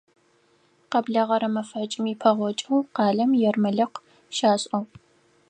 Къэблэгъэрэ мэфэкӀым ипэгъокӀэу къалэм ермэлыкъ щашӀыгъ.